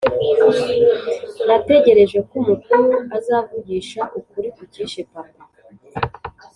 nategereje ko umukuru azavugisha ukuri kucyishe papa